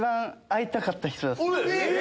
えっ！